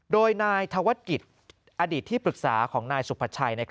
โดยนายธวัฒนกิจอดีตที่ปรึกษาของนายสุภาชัย